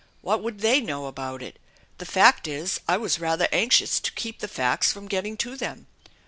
" What would they know about it ? The fact is I was rather anxious to keep the facts from getting to them.